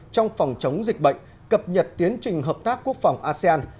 trong phòng chống dịch bệnh cập nhật tiến trình hợp tác quốc phòng asean